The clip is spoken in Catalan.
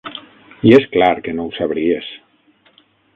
I és clar que no ho sabries!